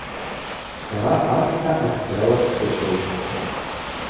Сара ацхӏа ахькӏьала сджвыквылхтӏ.